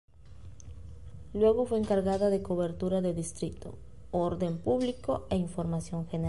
Luego fue encargada de cobertura de Distrito, Orden Público e Información General.